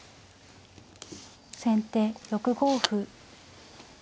先手６五歩。